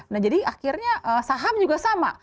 nah jadi akhirnya saham juga sama